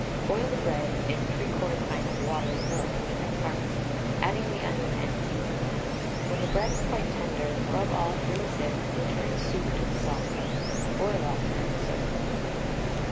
Boil the bread in 3/4 pint of water and milk in equal parts, adding the onion and seasoning. When the bread is quite tender, rub all through a sieve, return soup to the saucepan, boil up, and serve.